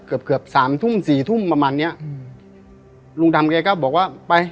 เกือบเกือบสามทุ่มสี่ทุ่มประมาณเนี้ยอืมลุงดำแกก็บอกว่าไป